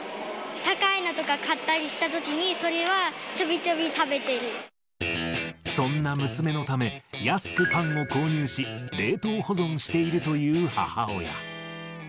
高いのとか買ったりしたときに、そんな娘のため、安くパンを購入し、冷凍保存しているという母親。